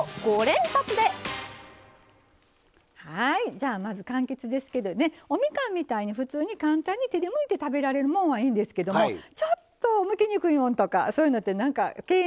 じゃあまずかんきつですけどねおみかんみたいに普通に簡単に手でむいて食べられるもんはいいんですけどもちょっとむきにくいもんとかそういうのってなんか敬遠しがちになりません？